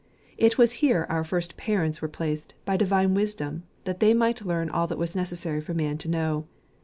It was here our first parents were placed, by divine wisdom, that they might learn all that was necessary for man to know.